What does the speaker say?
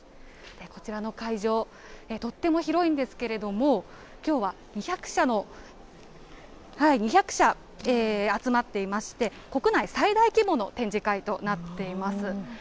こちらの会場、とっても広いんですけれども、きょうは２００社集まっていまして、国内最大規模の展示会となっています。